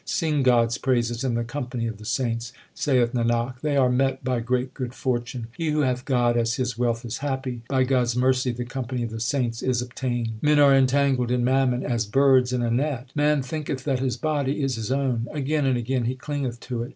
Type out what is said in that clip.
Sing God s praises in the company of the saints ; Saith Nanak, they are met by great good fortune. He who hath God as his wealth is happy. By God s mercy the company of the saints is obtained. Men are entangled in mammon as birds in a net : Man thinketh that his body is his own ; Again and again he clingeth to it.